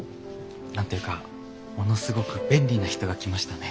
何て言うかものすごく便利な人が来ましたね。